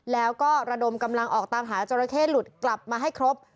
แล้วก็ระดมกำลังออกตามหาจราเข้หลุดกลับมาให้ครบ